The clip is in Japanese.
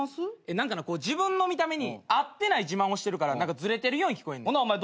何か自分の見た目に合ってない自慢をしてるからずれてるように聞こえんねん。